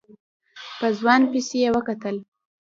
په ځوان پسې يې وکتل.